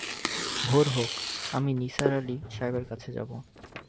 ভোর হোক, আমরা নিসার আলি সাহেবের কাছে যাব!